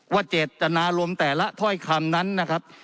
เจตนารมณ์แต่ละถ้อยคำนั้นนะครับ